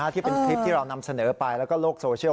ที่เป็นคลิปที่เรานำเสนอไปแล้วก็โลกโซเชียล